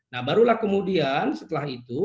nah barulah kemudian setelah itu